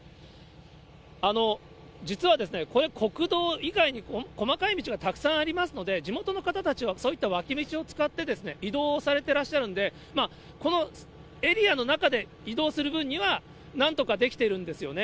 実は国道以外の細かい道がたくさんありますので、地元の方たちはそういった脇道を使って移動をされていらっしゃるんで、このエリアの中で移動する分にはなんとかできているんですよね。